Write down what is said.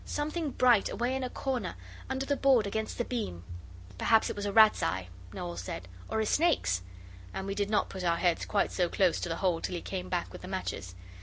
'Something bright, away in the corner under the board against the beam.' 'Perhaps it was a rat's eye,' Noel said, 'or a snake's,' and we did not put our heads quite so close to the hole till he came back with the matches.